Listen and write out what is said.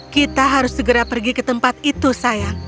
kita harus segera pergi ke tempat itu sayang